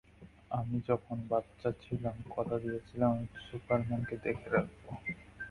আমি যখন বাচ্চা ছিলাম, কথা দিয়েছিলাম আমি সুপারম্যানকে দেখে রাখব।